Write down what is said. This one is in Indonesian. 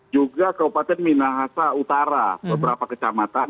juga kabupaten minahasa utara beberapa kecamatan